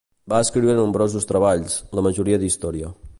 Va escriure nombrosos treballs, la majoria d'història.